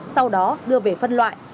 sau đó đưa về phân loại